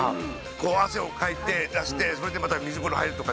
こう汗をかいて出してそれでまた水風呂入るとかって。